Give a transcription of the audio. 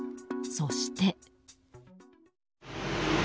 そして。